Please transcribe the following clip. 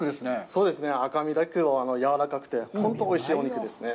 そうですね、赤身だけど、やわらかくて、本当においしいお肉ですね。